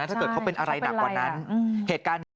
ถ้าเกิดเขาเป็นอะไรหนักกว่านั้น